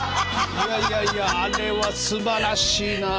いやいやいやあれはすばらしいなあ。